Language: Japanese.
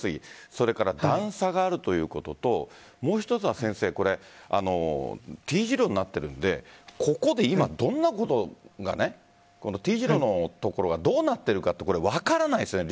それから段差があるということともう一つはＴ字路になっているのでここで今、どんなことがＴ字路の所がどうなっているかって分からないですよね。